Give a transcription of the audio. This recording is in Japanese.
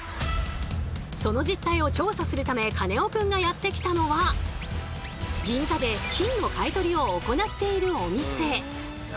その実態を調査するためカネオくんがやって来たのは銀座で金の買い取りを行っているお店。